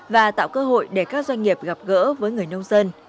và tạo cơ hội để các doanh nghiệp gặp gỡ với người nông dân